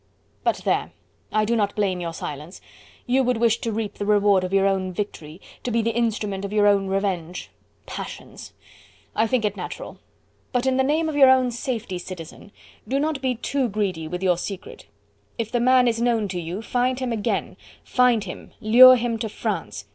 But there! I do not blame your silence. You would wish to reap the reward of your own victory, to be the instrument of your own revenge. Passions! I think it natural! But in the name of your own safety, Citizen, do not be too greedy with your secret. If the man is known to you, find him again, find him, lure him to France!